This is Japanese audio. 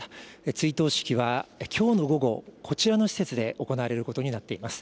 追悼式はきょうの午後、こちらの施設で行われることになっています。